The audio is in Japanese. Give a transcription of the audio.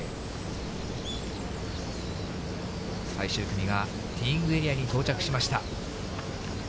最終組がティーイングエリアに到着しました。